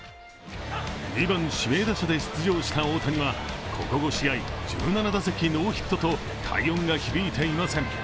２番・指名打者で出場した大谷はここ５試合、１７打席ノーヒットと快音が響いていません。